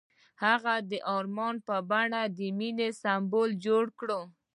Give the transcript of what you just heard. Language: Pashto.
هغه د آرمان په بڼه د مینې سمبول جوړ کړ.